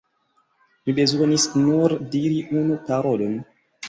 Mi bezonis nur diri unu parolon.